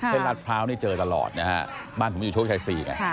รัฐพร้าวนี่เจอตลอดนะฮะบ้านผมอยู่โชคชัย๔ไง